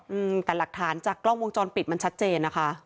อืมแต่หลักฐานจากกล้องวงจรปิดมันชัดเจนนะคะ